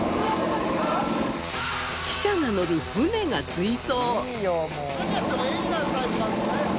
記者が乗る船が追走。